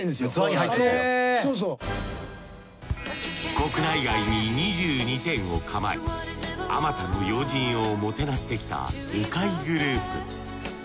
国内外に２２店を構えあまたの要人をもてなしてきたうかいグループ。